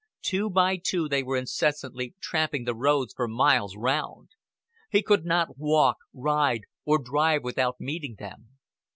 Two by two they were incessantly tramping the roads for miles round. He could not walk, ride, or drive without meeting them.